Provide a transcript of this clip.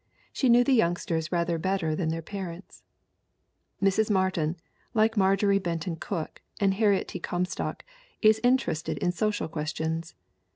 She knew the youngsters rather better than their parents. Mrs. Martin, like Marjorie Benton Cooke and Har riet T. Comstock, is interested in social questions.